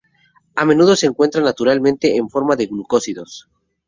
A menudo se encuentra naturalmente en forma de glucósidos.